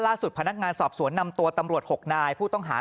ล่าสุดพนักงานสอบสวนนำตัวตำรวชหกนายผู้ต้องหาใน